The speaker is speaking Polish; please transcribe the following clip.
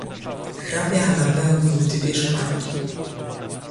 "Hrabia napełnił dwie szklanki."